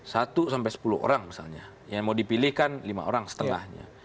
satu sampai sepuluh orang misalnya yang mau dipilih kan lima orang setengahnya